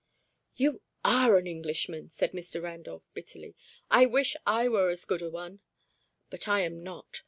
"You are an Englishman!" said Mr. Randolph, bitterly. "I wish I were as good a one; but I am not.